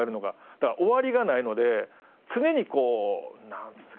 だから終わりがないので常になんていうんですかね？